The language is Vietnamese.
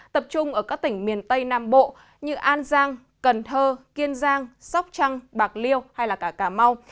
tập trung ở các tỉnh miền tây nam bộ như an giang cần thơ kiên giang sóc trăng bạc liêu hay cả cà mau